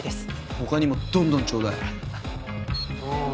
他にもどんどんちょうだい。